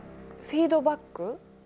フィードバック？